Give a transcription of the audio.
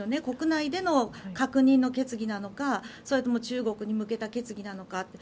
国内での確認の決議なのかそれとも中国に向けた決議なのか。